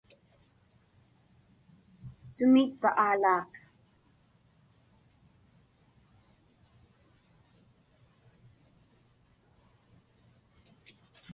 Sumiitpa Aalaak?